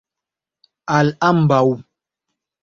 Al ambaŭ.